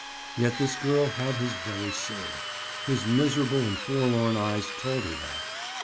Yet this girl had his very soul. His miserable and forlorn eyes told her that.